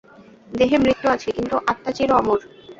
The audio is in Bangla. দেহের মৃত্যু আছে, কিন্তু আত্মা চির অমর।